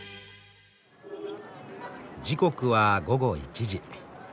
時刻は午後１時。